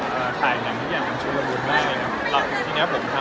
ก็จะมีหมายเป็นหรือแม่งต่ำ